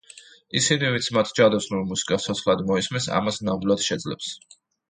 ის, ვინც მათ ჯადოსნურ მუსიკას ცოცხლად მოისმენს, ამას ნამდვილად შეძლებს.